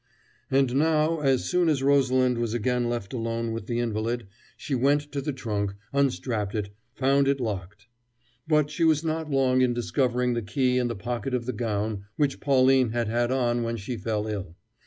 And now, as soon as Rosalind was again left alone with the invalid, she went to the trunk, unstrapped it, found it locked. But she was not long in discovering the key in the pocket of the gown which Pauline had had on when she fell ill.